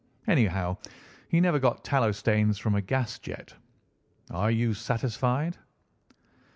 Anyhow, he never got tallow stains from a gas jet. Are you satisfied?"